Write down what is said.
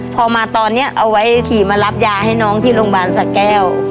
พอมาตอนนี้เอาไว้ขี่มารับยาให้น้องที่โรงพยาบาลสะแก้ว